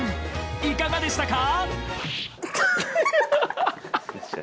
［いかがでしたか？］